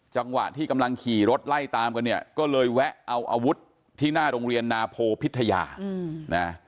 จังหวะที่กำลังขี่รถไล่ตามกันเนี่ยก็เลยแวะเอาอาวุธที่หน้าโรงเรียนนาโพพิทยานะ